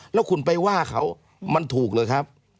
แล้วคุณไปว่าเขามันถูกหรือครับ